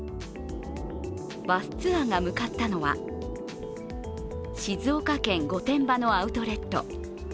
バスツアーが向かったのは、静岡県御殿場のアウトレット。